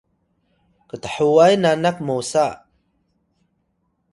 kthway nanak mosa